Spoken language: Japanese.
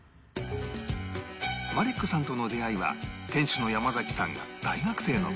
マリックさんとの出会いは店主の山さんが大学生の頃